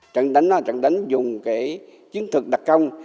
trận đánh là trận đánh dùng cái chiến thực đặc công